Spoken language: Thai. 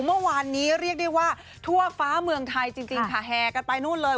เมื่อวานนี้เรียกได้ว่าทั่วฟ้าเมืองไทยจริงค่ะแห่กันไปนู่นเลย